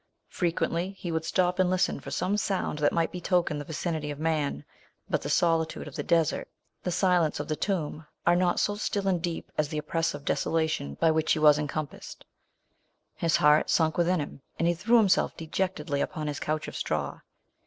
Frequently he would stop and listen for some sound that might betoken the vicinity of man ; but the solitude of the desert, the silence of the tomb, are not so still and deep, as the oppressive desolation by which he was encompassed. His heart sunk within him, and he threw himself dejectedly upon his couch of straw.